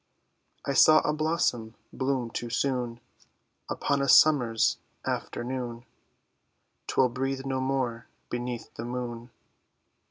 I saw a blossom bloom too soon Upon a summer's afternoon; 'Twill breathe no more beneath the moon.